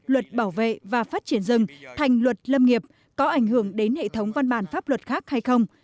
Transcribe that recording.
luật bảo vệ và phát triển rừng thành luật lâm nghiệp có ảnh hưởng đến hệ thống văn bản pháp luật khác hay không